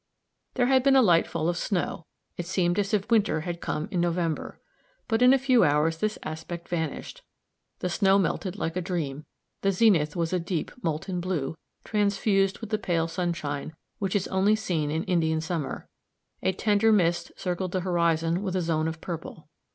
There had been a light fall of snow. It seemed as if winter had come in November. But in a few hours this aspect vanished; the snow melted like a dream; the zenith was a deep, molten blue, transfused with the pale sunshine, which is only seen in Indian summer; a tender mist circled the horizon with a zone of purple.